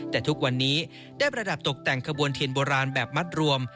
แต่ทุกวันนี้ได้ประดับตกแต่งขบวนเทียนโบราณแบบมัดรวม